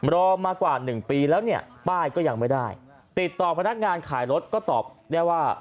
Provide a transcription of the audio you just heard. มากว่าหนึ่งปีแล้วเนี่ยป้ายก็ยังไม่ได้ติดต่อพนักงานขายรถก็ตอบได้ว่า